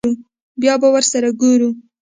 بيا به ورسره گورو.